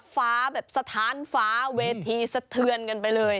ฟ้าแบบสะทานฟ้าเวที่เสถือนกันไปเลย